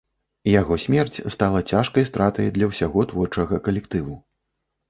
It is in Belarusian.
Яго смерць стала цяжкай стратай для ўсяго творчага калектыву.